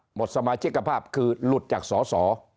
หมดสมาชิกภาพคือหลุดจากสอสอ